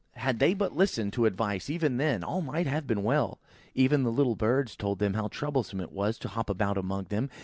Had they but listened to advice, even then, all might have been well. Even the little birds told them how troublesome it was to hop about among them.